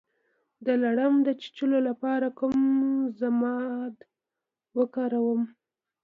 د لړم د چیچلو لپاره کوم ضماد وکاروم؟